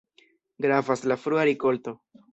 Gravas la frua rikolto.